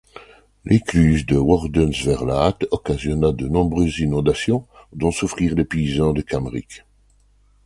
L'écluse de Woerdense Verlaat occasionna de nombreuses inondations dont souffrirent les paysans de Kamerik.